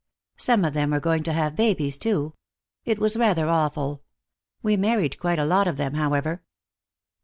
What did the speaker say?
Some of them were going to have babies, too. It was rather awful. We married quite a lot of them, however."